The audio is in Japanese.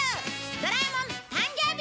『ドラえもん』誕生日